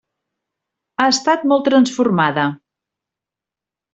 Ha estat molt transformada.